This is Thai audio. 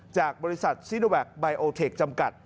จากบริษัทซีโนแวคไบโอเทคจำกัด